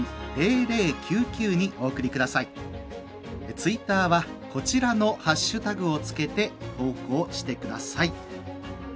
ツイッターはこちらのハッシュタグを付けて投稿してください。